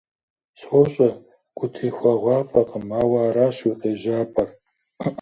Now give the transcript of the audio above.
СощӀэ, гутехуэгъуафӀэкъым, ауэ аращ уи къежьапӀэр.